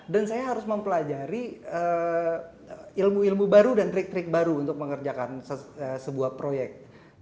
dan saya harus mempelajari ilmu ilmu baru dan trik trik baru untuk mengerjakan sebuah proyek